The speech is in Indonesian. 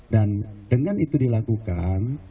dan dengan itu dilakukan